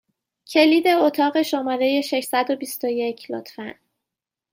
کلید اتاق شماره ششصد و بیست و یک، لطفا!